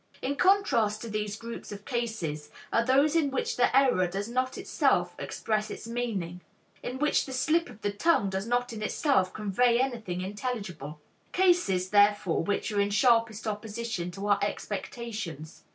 In contrast to these groups of cases are those in which the error does not itself express its meaning, in which the slip of the tongue does not in itself convey anything intelligible; cases, therefore, which are in sharpest opposition to our expectations.